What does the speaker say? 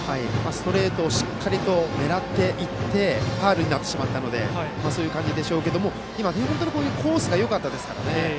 ストレートをしっかりと狙っていってファウルになってしまったのでそういう感じでしょうけども今、コースがよかったですから。